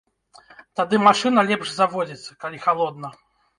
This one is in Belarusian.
Тады машына лепш заводзіцца, калі халодна.